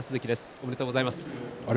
ありがとうございます。